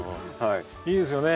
いいですよね